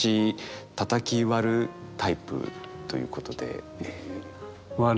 たたき割るタイプということで。